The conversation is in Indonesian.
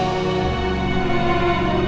sampai ketemu lagi